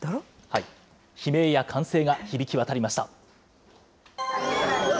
悲鳴や歓声が響き渡りました。